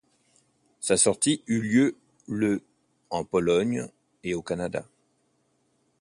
Sa sortie eu lieu le en Pologne et au Canada.